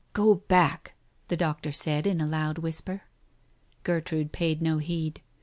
..." Go back !" the doctor said, in a loud whisper. Gertrude paid no heed.